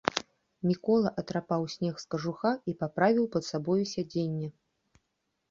Мікола атрапаў снег з кажуха і паправіў пад сабою сядзенне.